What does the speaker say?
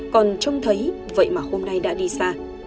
còn trông thấy vậy mà hôm nay đã đi xa